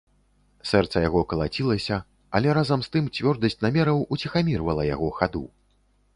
Сэрца яго калацілася, але разам з тым цвёрдасць намераў уціхамірвала яго хаду.